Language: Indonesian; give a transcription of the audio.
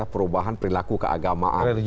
perubahan perilaku keagamaan